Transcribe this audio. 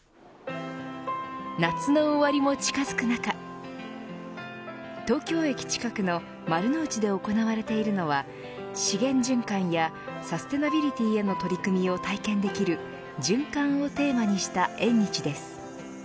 夏の終わりも近づく中東京駅近くの丸の内で行われているのは資源循環やサステナビリティへの取り組みを体験できる循環をテーマにした縁日です。